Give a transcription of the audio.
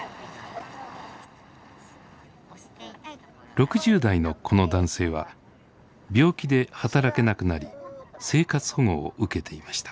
６０代のこの男性は病気で働けなくなり生活保護を受けていました。